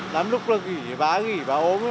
lắm lúc bà nghỉ bà nghỉ bà ốm